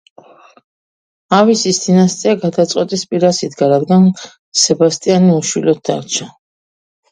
ავისის დინასტია გაწყვეტის პირას იდგა, რადგან სებასტიანი უშვილოდ დარჩა.